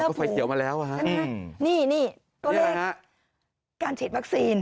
ก็ไฟเขียวมาแล้วอ่ะฮะนี่นี่ตัวเลขการฉีดวัคซีน